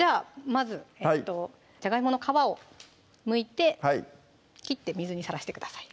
まずじゃがいもの皮をむいて切って水にさらしてください